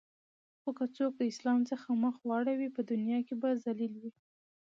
خو که څوک د اسلام څخه مخ واړوی په دنیا کی به ذلیل وی